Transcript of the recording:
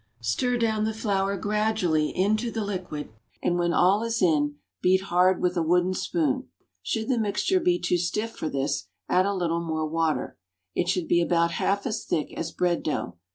Stir down the flour gradually into the liquid, and when all is in, beat hard with a wooden spoon. Should the mixture be too stiff for this, add a little more water. It should be about half as thick as bread dough.